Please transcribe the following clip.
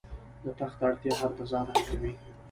د تخت اړتیا هر تضاد حل کوي.